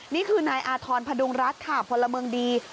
นี่คือนายอาธรณ์พดุงรัฐค่ะพลเมืองดี